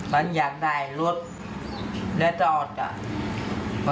มันอยากได้รถและจอดอ่ะ